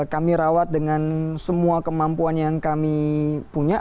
kami rawat dengan semua kemampuan yang kami punya